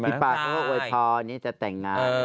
พี่ป่าทั่วโอยท้อนี่จะแต่งงาน